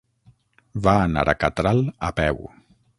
Va anar a Catral a peu.